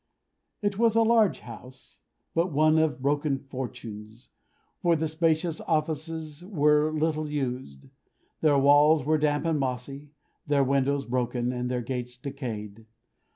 It was a large house, but one of broken fortunes; for the spacious offices were little used, their walls were damp and mossy, their windows broken, and their gates decayed.